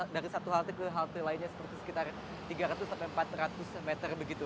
dari satu halte ke halte lainnya seperti sekitar tiga ratus sampai empat ratus meter begitu